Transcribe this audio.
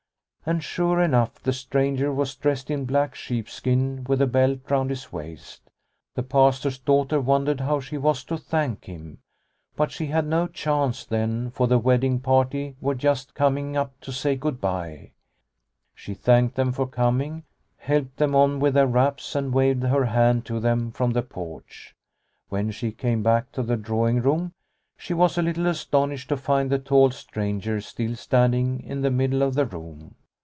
And sure enough the stranger was dressed in black sheepskin with a belt round his waist. The Pastor's daughter wondered how she was to thank him, but she had no chance then, for The Bride's Dance 115 the wedding party were just coming up to say good bye. She thanked them for coming, helped them on with their wraps, and waved her hand to them from the porch. When she came back to the drawing room she was a little astonished to find the tall stranger still standing in the middle of the room.